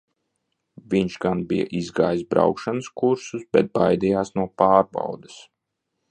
Viņš gan bija izgājis braukšanas kursus, bet baidījās no pārbaudes.